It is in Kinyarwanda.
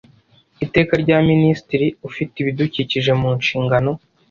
Iteka rya Minisitiri ufite ibidukikije mu nshingano